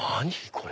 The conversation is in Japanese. これ。